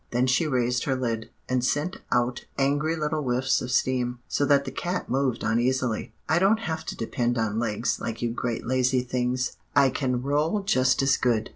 Then she raised her lid, and sent out angry little whiffs of steam, so that the cat moved uneasily. 'I don't have to depend on legs, like you great lazy things. I can roll just as good.